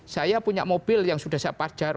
saya punya mobil yang sudah saya pajar